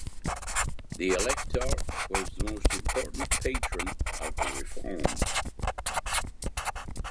The Elector was the most important patron of the reforms.